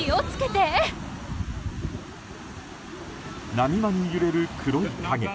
波間に揺れる黒い影。